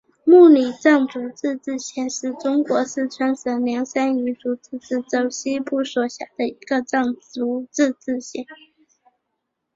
木里藏族自治县是中国四川省凉山彝族自治州西部所辖的一个藏族自治县。